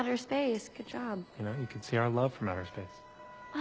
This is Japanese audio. あ。